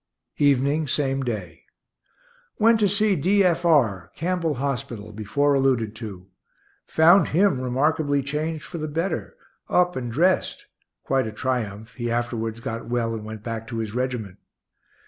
Evening, same day. Went to see D. F. R., Campbell hospital, before alluded to; found him remarkably changed for the better up and dressed (quite a triumph; he afterwards got well and went back to his regiment).